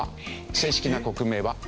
正式な国名は？